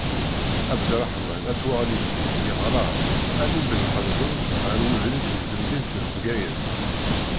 Ɛebderreḥman Al-Waɣlisi yeɣra, am Ibn Xeldun, ɣer Wedris di temdint n Bgayet.